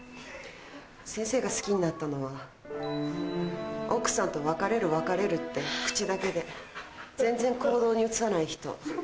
先生が好きになったのは奥さんと別れる別れるって口だけで全然行動に移さない人。